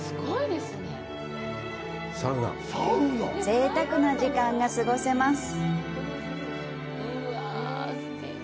ぜいたくな時間が過ごせます。